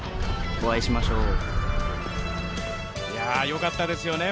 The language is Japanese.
よかったですよね